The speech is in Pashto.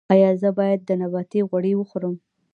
ایا زه باید د نباتي غوړي وخورم؟